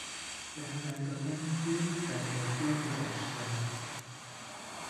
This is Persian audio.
به هدر دادن روح در باتلاقی از شرم